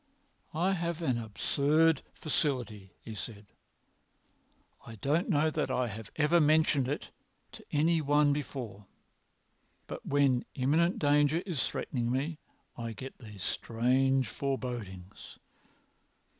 "I have an absurd faculty," said he; "I don't know that I have ever mentioned it to any one before. But when imminent danger is threatening me I get these strange forebodings.